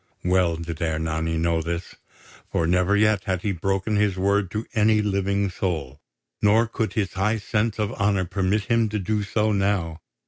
Well did Ernani know this; for never yet had he broken his word to any living soul, nor could his high sense of honour permit him to do so now.